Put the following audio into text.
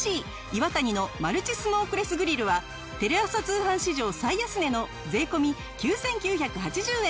イワタニのマルチスモークレスグリルはテレ朝通販史上最安値の税込９９８０円。